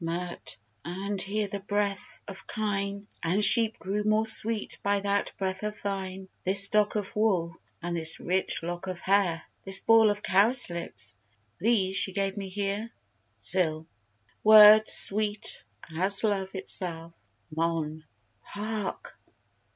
MIRT. And here the breath of kine And sheep grew more sweet by that breath of thine. This dock of wool, and this rich lock of hair, This ball of cowslips, these she gave me here. SIL. Words sweet as love itself. MON. Hark!